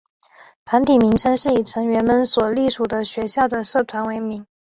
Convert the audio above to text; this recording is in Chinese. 团体名称是以成员们所隶属的学校的社团为名。